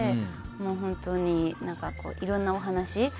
もう本当にいろんなお話を。